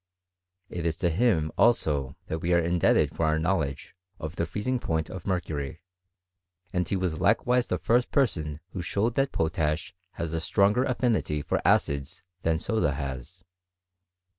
It is to him also thatwft are indebted for our knowledge of the freezing point CHEMISVllY IK GREAT BRITAIN. 349 of mercury ; and he was likewise the first person who showed that potash has a stronger affinity for acids than soda has.